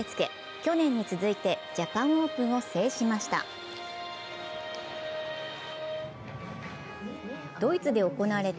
去年に続いてジャパンオープンを制しました。